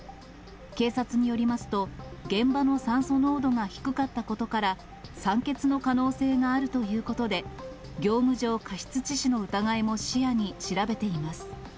警察によりますと、現場の酸素濃度が低かったことから、酸欠の可能性があるということで、業務上過失致死の疑いも視野に調べています。